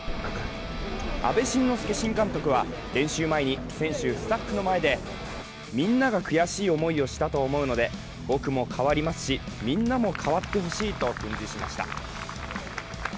阿部慎之助新監督は練習前に選手・スタッフの前で、みんなが悔しい思いをしたと思うので僕も変わりますし、みんなも変わってほしいと訓示しました。